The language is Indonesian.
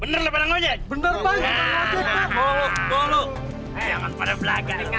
mendingan lo pada cabut dari sini